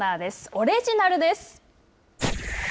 オレジナルです。